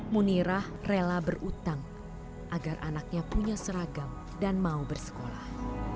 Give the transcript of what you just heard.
munirah rela berutang agar anaknya punya seragam dan mau bersekolah